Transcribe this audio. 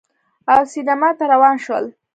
او سینما ته روان شول